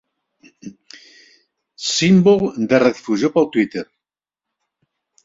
Símbol de redifusió pel Twitter.